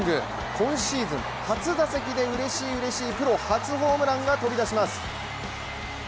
今シーズン初打席でうれしい、うれしいプロ初ホームランが飛び出します。